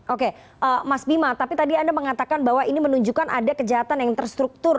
oke mas bima tapi tadi anda mengatakan bahwa ini menunjukkan ada kejahatan yang terstruktur